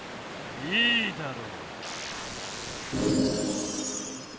いいだろう。